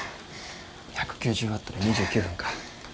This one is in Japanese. １９０ワットで２９分か。